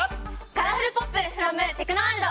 カラフルポップフロムテクノワールド！